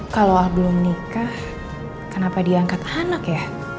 kalau belum nikah kenapa dia angkat anak ya